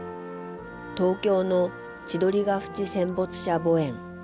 東京の千鳥ヶ淵戦没者墓苑。